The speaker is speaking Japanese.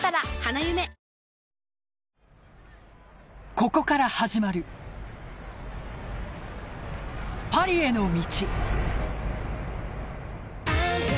ここから始まるパリへの道。